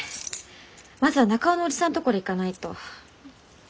まずは中尾のおじさんのとこに行かないと。